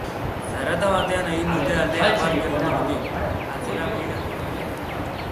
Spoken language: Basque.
Zarata batean egin dute alde aparkalekutik, atzera begiratu gabe.